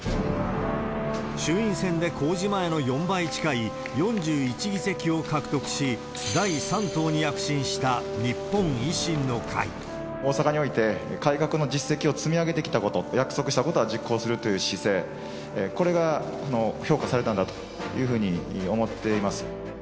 衆院選で公示前の４倍近い４１議席を獲得し、大阪において、改革の実績を積み上げてきたこと、約束したことは実行するという姿勢、これが評価されたんだというふうに思っています。